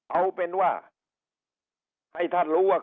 เอาเป็นว่าให้ท่านรู้ว่า